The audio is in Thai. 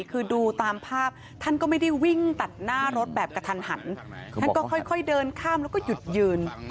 คือดูตามภาพท่านก็ไม่ได้วิ่งตัดหน้ารถแบบกระทันหันท่านก็ค่อยเดินข้ามแล้วก็หยุดยืน